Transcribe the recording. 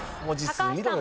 高橋さん。